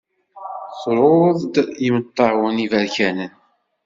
Tru-d imeṭṭawen iberkanen.